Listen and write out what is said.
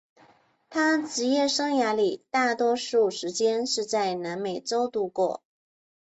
他职业生涯里大多数时间是在南美洲度过。